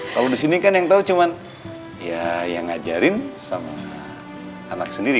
kalau di sini kan yang tahu cuma ya yang ngajarin sama anak sendiri